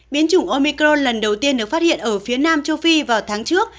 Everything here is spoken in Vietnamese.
biến chủng omicron lần đầu tiên được phát hiện ở phía nam châu phi vào tháng trước